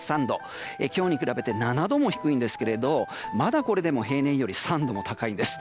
今日に比べて７度も低いんですけれどまだ、これでも平年より３度も高いんです。